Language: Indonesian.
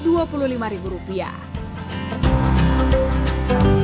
untuk menikmati kawasan wisata anda perlu memiliki perangkat yang berbeda